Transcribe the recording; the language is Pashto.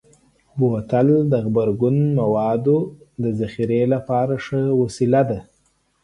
بوتل د غبرګون موادو ذخیره لپاره ښه وسیله ده.